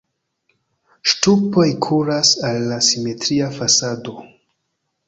Ŝtupoj kuras al la simetria fasado.